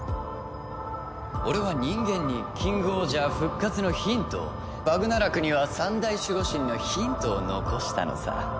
俺は人間にキングオージャー復活のヒントをバグナラクには三大守護神のヒントを残したのさ。